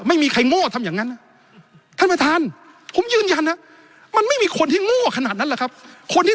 ไม่มีใครโง่ทำอย่างนั้น